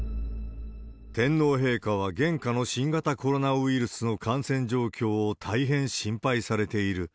天皇陛下は現下の新型コロナウイルスの感染状況を大変心配されている。